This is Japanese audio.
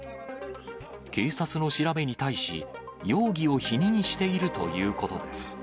警察の調べに対し、容疑を否認しているということです。